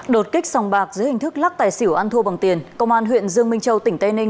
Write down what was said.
đột kích sòng bạc dưới hình thức lắc tài xỉu ăn thua bằng tiền công an huyện dương minh châu tỉnh tây ninh